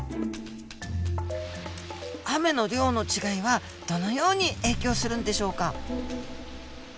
雨の量の違いはどのように影響するんでしょうか。